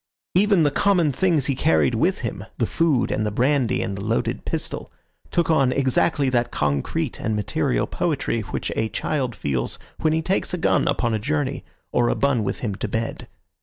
Even the common things he carried with him—the food and the brandy and the loaded pistol—took on exactly that concrete and material poetry which a child feels when he takes a gun upon a journey or a bun with him to bed.